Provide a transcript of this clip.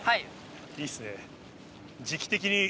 いいですね。